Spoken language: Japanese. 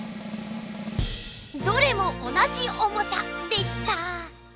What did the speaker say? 「どれも同じ重さ」でした！